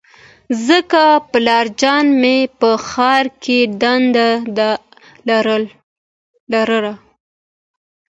ځکه پلارجان مې په ښار کې دنده لرله